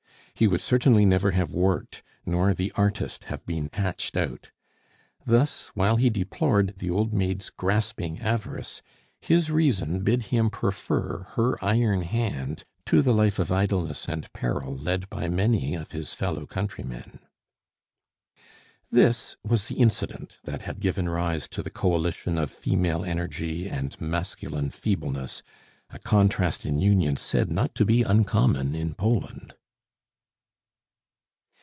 He would certainly never have worked, nor the artist have been hatched out. Thus, while he deplored the old maid's grasping avarice, his reason bid him prefer her iron hand to the life of idleness and peril led by many of his fellow countrymen. This was the incident that had given rise to the coalition of female energy and masculine feebleness a contrast in union said not to be uncommon in Poland.